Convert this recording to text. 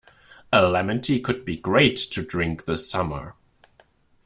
A lemon tea could be great to drink this summer.